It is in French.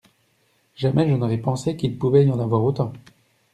Jamais je n’aurais pensé qu’il pouvait y en avoir autant.